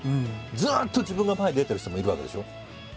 ずっと自分が前に出てる人もいるわけでしょ？